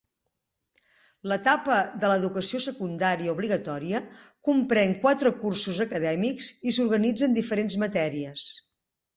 L'etapa de l'educació secundària obligatòria comprèn quatre cursos acadèmics i s'organitza en diferents matèries.